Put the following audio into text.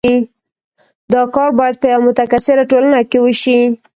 دا کار باید په یوه متکثره ټولنه کې وشي.